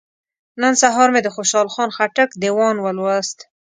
نن سهار مې د خوشحال خان خټک دیوان ولوست.